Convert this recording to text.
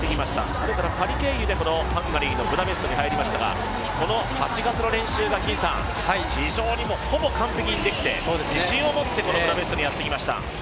それからパリ経由でハンガリー・ブダペストに入りましたが、この８月の練習が非常にほぼ完璧にできて、自信を持って、このブダペストにやってきました。